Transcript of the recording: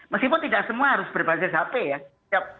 meskipun tidak semua harus berbasis hp ya